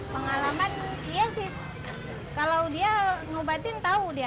pengalaman iya sih kalau dia ngobatin tahu dia